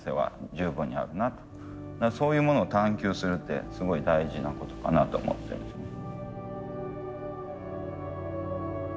そういうものを探究するってすごい大事なことかなと思ってるんですね。